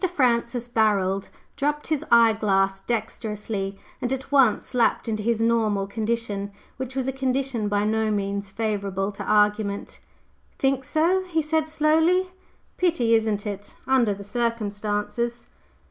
Francis Barold dropped his eyeglass dexterously, and at once lapsed into his normal condition which was a condition by no means favorable to argument. "Think so?" he said slowly. "Pity, isn't it, under the circumstances?"